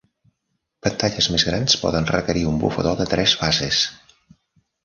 Pantalles més grans poden requerir un bufador de tres fases.